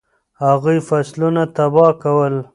هغوی فصلونه تباه کول.